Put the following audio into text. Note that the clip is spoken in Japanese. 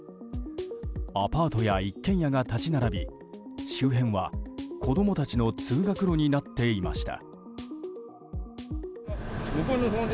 アパートや一軒家が立ち並び周辺は子供たちの通学路になっていました。